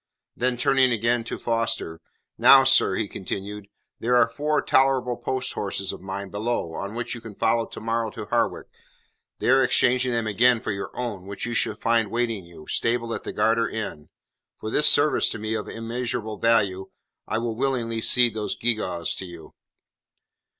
Then turning again to Foster. "Now, sir," he continued, "there are four tolerable posthorses of mine below, on which you can follow tomorrow to Harwich, there exchanging them again for your own, which you shall find awaiting you, stabled at the Garter Inn. For this service, to me of immeasurable value, I will willingly cede those gewgaws to you."